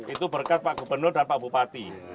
itu berkat pak gubernur dan pak bupati